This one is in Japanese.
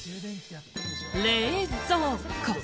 冷蔵庫。